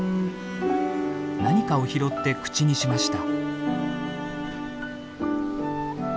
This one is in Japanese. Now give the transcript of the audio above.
何かを拾って口にしました。